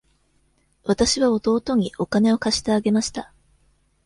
わたしは弟にお金を貸してあげました。